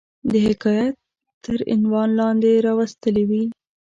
د حکایت تر عنوان لاندي را وستلې وي.